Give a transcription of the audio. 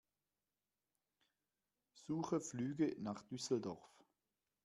Suche Flüge nach Düsseldorf.